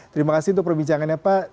terima kasih untuk perbincangannya pak